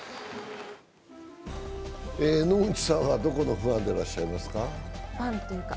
野口さんは、どこのファンでらっしゃいますか。